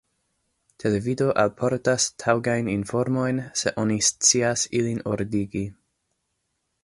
Televido alportas taŭgajn informojn, se oni scias ilin ordigi.